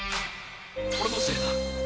俺のせいだ